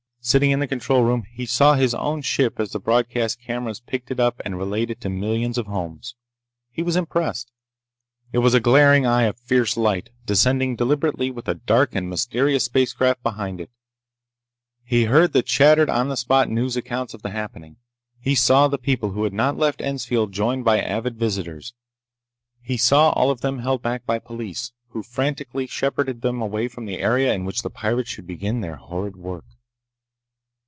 Sitting in the control room he saw his own ship as the broadcast cameras picked it up and relayed it to millions of homes. He was impressed. It was a glaring eye of fierce light, descending deliberately with a dark and mysterious spacecraft behind it. He heard the chattered on the spot news accounts of the happening. He saw the people who had not left Ensfield joined by avid visitors. He saw all of them held back by police, who frantically shepherded them away from the area in which the pirates should begin their horrid work.